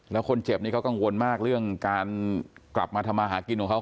แล้วคนเจ็บนี้เขากังวลมากเรื่องการกลับมาทำมาหากินของเขา